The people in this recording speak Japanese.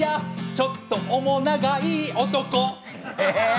「ちょっと面長いい男」え！